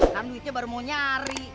kan duitnya baru mau nyari